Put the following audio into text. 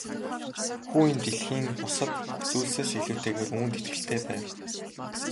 Хүү энэ дэлхийн бусад бүх зүйлсээс илүүтэйгээр үүнд итгэлтэй байв.